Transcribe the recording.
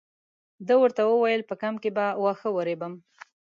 ده ورته وویل په کمپ کې به واښه ورېبم.